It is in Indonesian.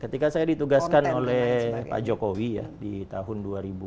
ketika saya ditugaskan oleh pak jokowi ya di tahun dua ribu dua